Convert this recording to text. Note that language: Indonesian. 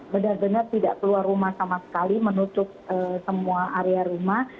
benar benar tidak keluar rumah sama sekali menutup semua area rumah